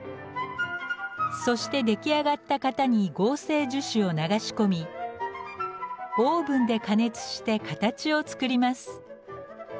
そして出来上がった型に合成樹脂を流し込みオーブンで加熱して形を作ります。